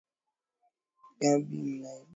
e nagabwira naibu wa waziri wa fedha